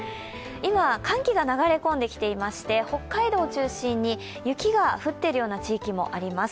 今、寒気が流れ込んできていまして北海道を中心に雪が降っているような地域もあります。